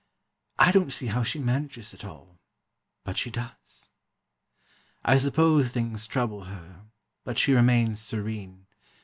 I don't see how she manages it all—but she does. I suppose things trouble her, but she remains serene.